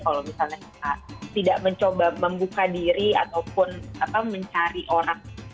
kalau misalnya kita tidak mencoba membuka diri ataupun mencari orang